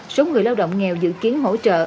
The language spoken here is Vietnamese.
số người lao động nghèo dự kiến hỗ trợ